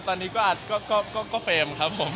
ตอนนี้ก็เฟรมครับผม